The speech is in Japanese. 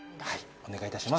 お願い致します。